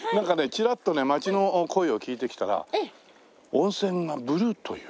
チラッとね街の声を聞いてきたら温泉がブルーという。